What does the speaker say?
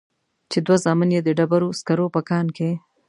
چې دوه زامن يې د ډبرو سکرو په کان کې.